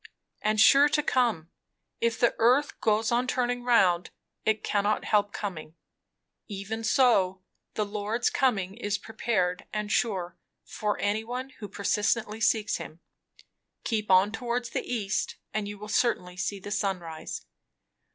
"And sure to come. If the earth goes on turning round, it cannot help coming. Even so: the Lord's coming is prepared and sure, for any one who persistently seeks him. Keep on towards the east and you will certainly see the sun rise."